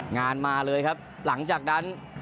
งานมาเลยครับหลังจากนั้น